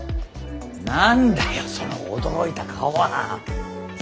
何だよその驚いた顔は。